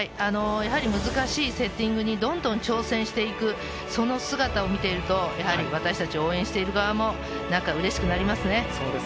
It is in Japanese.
難しいセッティングにどんどん挑戦していく、その姿を見ていると応援している側も何かうれしくなりますね。